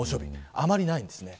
あまりないんですね。